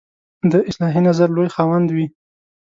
د اصلاحي نظر لوی خاوند وي.